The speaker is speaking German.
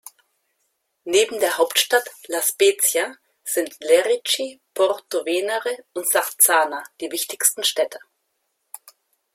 Neben der Hauptstadt La Spezia sind Lerici, Porto Venere und Sarzana die wichtigsten Städte.